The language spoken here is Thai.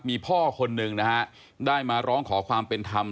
มีพ่อคนหนึ่งนะฮะได้มาร้องขอความเป็นธรรม